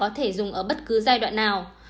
không thể dùng ở bất cứ giai đoạn nào